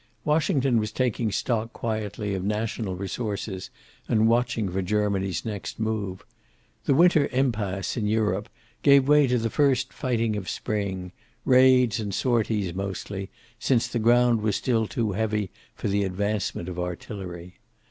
Washington was taking stock quietly of national resources and watching for Germany's next move. The winter impasse in Europe gave way to the first fighting of spring, raids and sorties mostly, since the ground was still too heavy for the advancement of artillery.